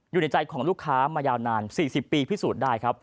อยู่ในใจของลูกค้ามายาวนาน๔๐ปีพิสูจน์ได้ครับ